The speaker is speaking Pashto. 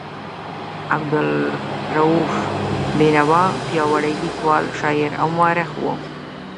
عبدالرؤف بېنوا پیاوړی لیکوال، شاعر او مورخ و.